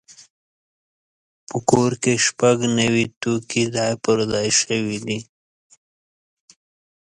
په کور کې شپږ نوي توکي ځای پر ځای شوي دي.